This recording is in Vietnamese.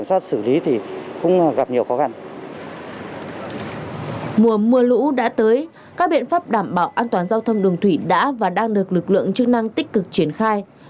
mùa mưa lũ đã tới các biện pháp đảm bảo an toàn giao thông đường thủy đã và đang được lực lượng chức năng tích cực triển khai